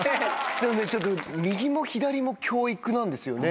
でもねちょっと右も左も教育なんですよね。